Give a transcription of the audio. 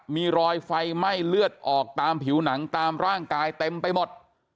มีรอยไฟไหม้เลือดออกตามผิวหนังตามร่างกายเต็มไปหมด